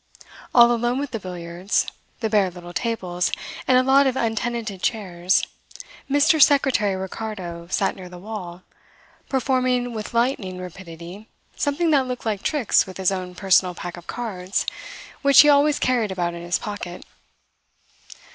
All alone with the billiards, the bare little tables, and a lot of untenanted chairs, Mr. Secretary Ricardo sat near the wall, performing with lightning rapidity something that looked like tricks with his own personal pack of cards, which he always carried about in his pocket.